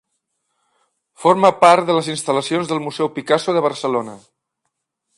Forma part de les instal·lacions del Museu Picasso de Barcelona.